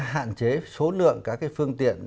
hạn chế số lượng các cái phương tiện